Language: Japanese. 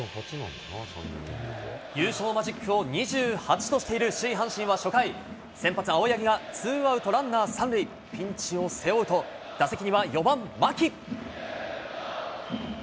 優勝マジックを２８としている首位阪神は初回、先発、青柳がツーアウトランナー３塁、ピンチを背負うと、打席には４番牧。